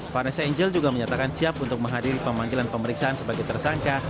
vanessa angel juga menyatakan siap untuk menghadiri pemanggilan pemeriksaan sebagai tersangka